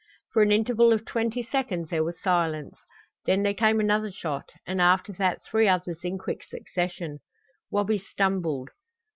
For an interval of twenty seconds there was silence; then there came another shot, and after that three others in quick succession. Wabi stumbled.